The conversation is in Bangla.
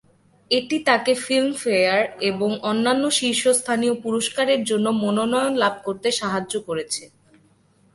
এটি তাঁকে ফিল্মফেয়ার এবং অন্যান্য শীর্ষস্থানীয় পুরস্কারের জন্য মনোনয়ন লাভ করতে সাহায্য করেছে।